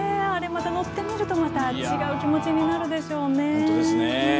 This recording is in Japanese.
あれ乗ってみると違う気持ちになるでしょうね。